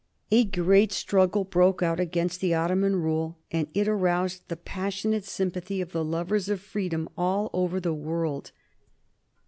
A great struggle broke out against the Ottoman rule, and it roused the passionate sympathy of the lovers of freedom all over the world.